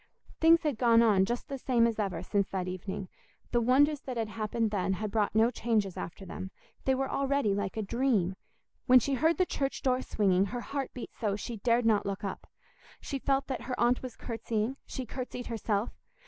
Things had gone on just the same as ever since that evening; the wonders that had happened then had brought no changes after them; they were already like a dream. When she heard the church door swinging, her heart beat so, she dared not look up. She felt that her aunt was curtsying; she curtsied herself.